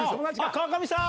川上さん？